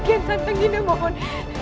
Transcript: kian santeng dinda mohon